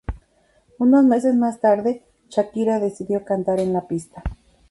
Unos meses más tarde, Shakira decidió cantar en la pista.